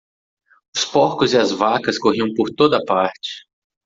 Os porcos e as vacas corriam por toda parte.